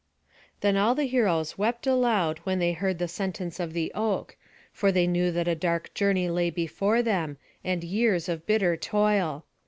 Then all the heroes wept aloud when they heard the sentence of the oak; for they knew that a dark journey lay before them, and years of bitter toil.